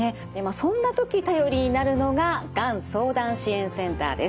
そんな時頼りになるのががん相談支援センターです。